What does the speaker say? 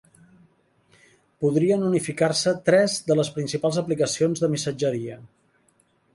Podrien unificar-se tres de les principals aplicacions de missatgeria